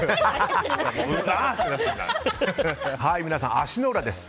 皆さん、足の裏です。